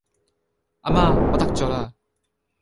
阿媽，我得咗啦!